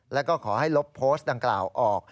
แล้วก็ขอให้ลบโพสต์ดังกล่าวออก